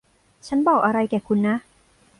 ฉันบอกอะไรแก่คุณนะ